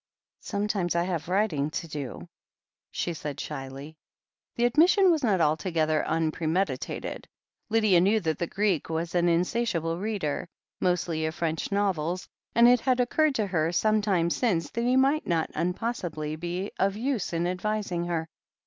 "Sometimes I have writing to do," she said shyly. The admission was not altogether unpremeditated. Lydia knew that the Greek was an insatiable reader, mostly of French novels, and it had occurred to her some time since that he might not unpossibly be of use in advising her.